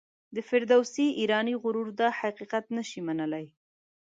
د فردوسي ایرانی غرور دا حقیقت نه شي منلای.